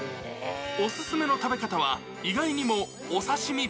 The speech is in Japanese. お勧めの食べ方は、意外にもお刺身。